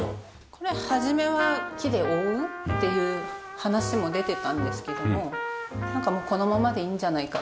これ初めは木で覆う？っていう話も出てたんですけどもなんかもうこのままでいいんじゃないかっていう。